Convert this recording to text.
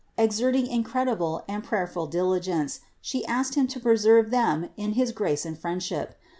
Exerting incredible and prayerful diligence She asked Him to preserve them in his grace and friendship.